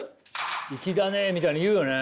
「いきだねえ」みたいに言うよね。